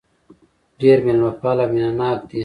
ډېر مېلمه پال او مينه ناک دي.